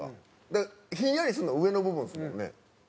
だからひんやりするのは上の部分ですもんね。